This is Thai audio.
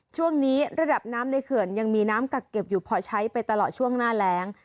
ช่วงนี้ระดับน้ำในเขื่อนยังมีน้ำกักเก็บอยู่พอใช้ไปตลอดช่วงหน้าแรง